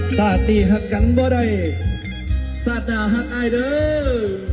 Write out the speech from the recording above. สาธิฮักกันบ้าได้สาธาฮักอายเดิ้ล